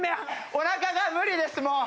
おなかが無理ですもう。